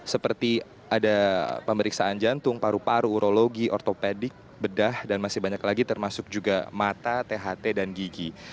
seperti ada pemeriksaan jantung paru paru urologi ortopedik bedah dan masih banyak lagi termasuk juga mata tht dan gigi